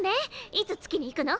いつ月に行くの？